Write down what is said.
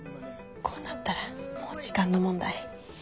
こうなったらもう時間の問題。